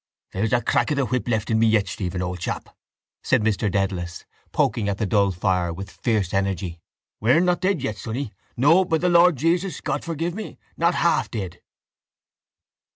—There's a crack of the whip left in me yet, Stephen, old chap, said Mr Dedalus, poking at the dull fire with fierce energy. We're not dead yet, sonny. No, by the Lord Jesus (God forgive me) nor half dead.